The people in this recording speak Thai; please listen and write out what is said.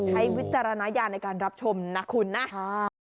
วิจารณญาณในการรับชมนะคุณนะ